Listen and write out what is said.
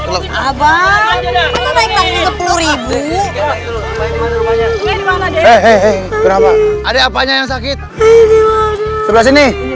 these disebelah sini